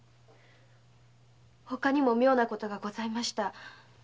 他にも妙なことがありました。